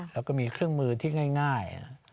แล้วก็มีเครื่องมือที่ง่าย